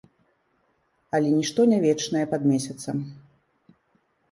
Але нішто не вечнае пад месяцам.